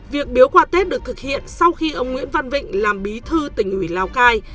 việc biếu quả tết được thực hiện sau khi ông nguyễn văn vịnh làm bí thư tỉnh hủy lao cai